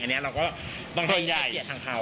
อันนี้เราก็ต้องให้เจียดทางเขา